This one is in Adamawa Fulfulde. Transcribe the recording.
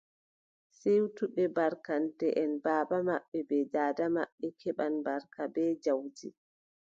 Siwtuɓe barkanteʼen, baaba maɓɓe bee daada maɓɓe keɓan barka bee jawdi.